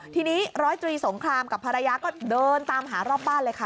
ทีนี้ร้อยตรีสงครามกับภรรยาก็เดินตามหารอบบ้านเลยค่ะ